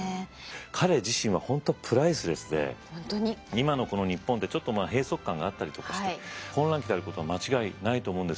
今のこの日本ってちょっと閉塞感があったりとかして混乱期であることは間違いないと思うんですよね。